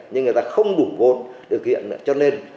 nhưng người ta không đủ vốn thực hiện cho nên